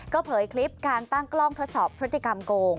เผยคลิปการตั้งกล้องทดสอบพฤติกรรมโกง